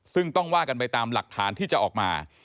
ซึ่งต้องว่ากันไปตามหลักฐานที่จะออกมา